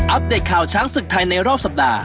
เดตข่าวช้างศึกไทยในรอบสัปดาห์